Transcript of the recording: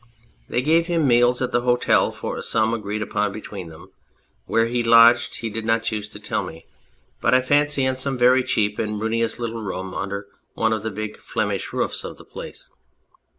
They gave him meals at the hotel for a sum agreed upon between them. Where he lodged he did not choose to tell me, but I fancy in some very cheap and ruinous little room under one of the big Flemish roofs of the place.